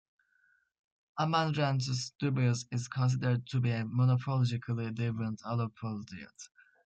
"Amaranthus dubius" is considered to be a morphologically deviant allopolyploid.